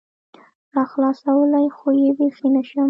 راخلاصولى خو يې بيخي نشم